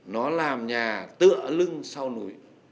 nó làm nhà tựa lưng sau núi